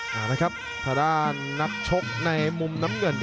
ถ้าได้ครับนับชกในมุมน้ำเหนือน